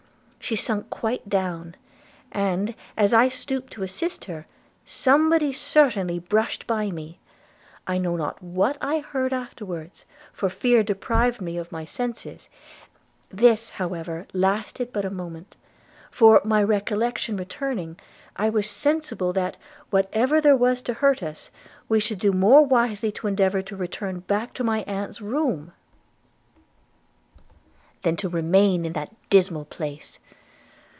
She sunk quite down; and, as I stooped to assist her, somebody certainly brushed by me. I know not what I heard afterwards, for fear deprived me of my senses. This, however, lasted but a moment; for, my recollection returning, I was sensible that, whatever there was to hurt us, we should do more wisely to endeavour to return back to my aunt's room than to remain in that dismal place.